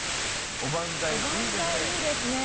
おばんざいいいですね！